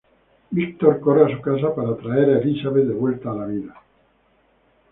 Víctor corre a su casa para traer a Elizabeth de vuelta a la vida.